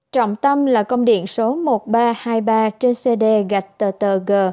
trọng tâm là công điện số một nghìn ba trăm hai mươi ba trên cd gạch tờ tờ g